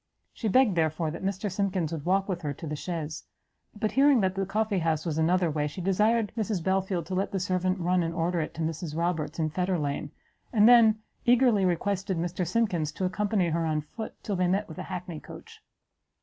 She begged, therefore, that Mr. Simkins would walk with her to the chaise; but hearing that the coffee house was another way, she desired Mrs Belfield to let the servant run and order it to Mrs Roberts, in Fetterlane, and then eagerly requested Mr Simkins to accompany her on foot till they met with an hackney coach.